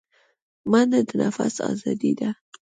منډه د نفس آزادي ده